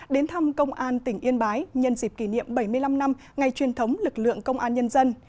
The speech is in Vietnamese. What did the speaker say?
đến thăm công an tỉnh yên bái nhân dịp kỷ niệm bảy mươi năm năm ngày truyền thống lực lượng công an nhân dân